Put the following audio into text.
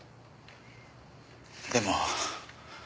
でも。